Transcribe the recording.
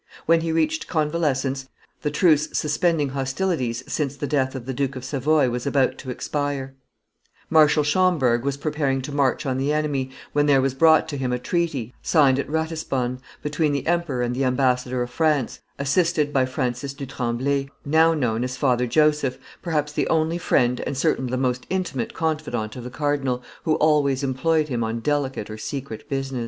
When he reached convalescence, the truce suspending hostilities since the death of the Duke of Savoy was about to expire; Marshal Schomberg was preparing to march on the enemy, when there was brought to him a treaty, signed at Ratisbonne, between the emperor and the ambassador of France, assisted by Francis du Tremblay, now known as Father Joseph, perhaps the only friend and certainly the most intimate confidant of the cardinal, who always employed him on delicate or secret business.